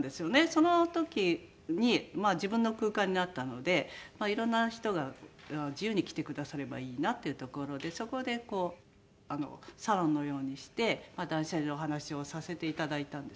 その時に自分の空間になったのでいろんな人が自由に来てくださればいいなっていうところでそこでこうサロンのようにして断捨離のお話をさせていただいたんですよね。